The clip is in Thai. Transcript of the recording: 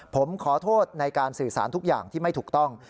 ผมขอโทษในการสื่อสารทุกอย่างที่ไม่ถูกต้อง